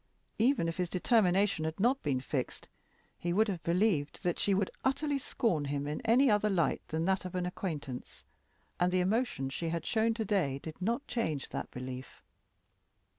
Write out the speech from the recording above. Even if his determination had not been fixed, he would have believed that she would utterly scorn him in any other light than that of an acquaintance, and the emotion she had shown to day did not change that belief.